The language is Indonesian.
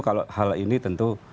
kalau hal ini tentu